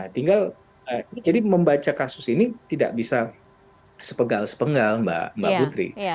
tinggal jadi membaca kasus ini tidak bisa sepegal sepenggal mbak putri